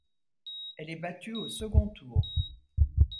Elle est battue au second tour.